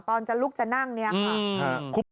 ตอนจะลุกจะนั่งเนี่ยค่ะ